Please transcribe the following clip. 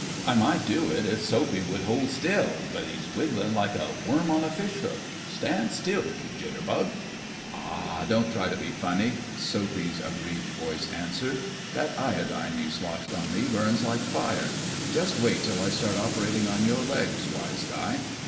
I might do it if Soapy would hold still, but he's wiggling like a worm on a fishhook.... Stand still, you jitterbug!" "Aw, don't try to be funny!" Soapy's aggrieved voice answered. "That iodine you sloshed on me burns like fire. Just wait till I start operating on your legs, wise guy!"